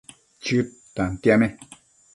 Chëd tantiame